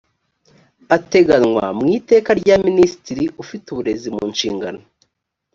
ateganywa mu iteka rya minisitiri ufite uburezi munshingano